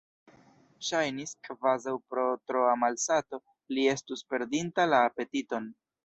Ŝajnis, kvazaŭ pro troa malsato li estus perdinta la apetiton.